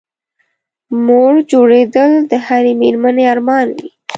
مور جوړېدل د هرې مېرمنې ارمان وي